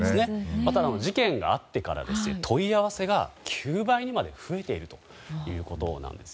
また、事件があってから問い合わせが９倍にまで増えているということです。